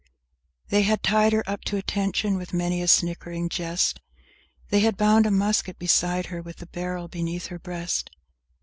III They had tied her up to attention, with many a sniggering jest; They had bound a musket beside her, with the barrel beneath her breast!